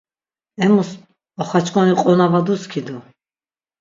Emus oxaçkoni qona va duskidu.